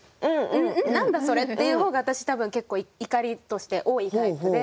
んん何だそれ？」っていう方が私多分結構怒りとして多いタイプで。